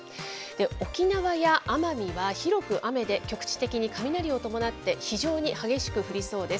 沖縄や奄美は広く雨で、局地的に雷を伴って、非常に激しく降りそうです。